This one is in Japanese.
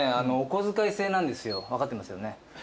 分かってますよね？